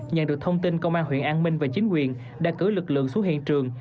nhận được thông tin công an huyện an minh và chính quyền đã cử lực lượng xuống hiện trường